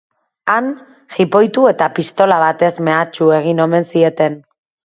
Han, jipoitu eta pistola batez mehatxu egin omen zieten.